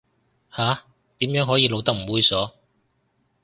下，點樣可以露得唔猥褻